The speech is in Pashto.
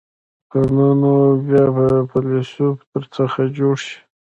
که نه نو بیا به فیلسوف در څخه جوړ شي.